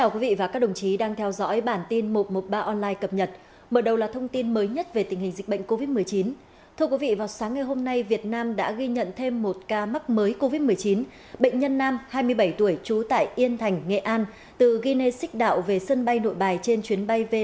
các bạn hãy đăng ký kênh để ủng hộ kênh của chúng mình nhé